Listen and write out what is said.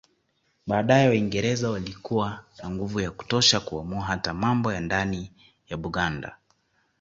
Baadae Waingereza walikuwa na nguvu ya kutosha kuamua hata mambo ya ndani ya Buganda